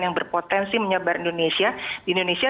yang berpotensi menyebar indonesia